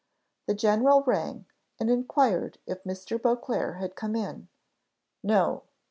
The general rang, and inquired if Mr. Beauclerc had come in. "No."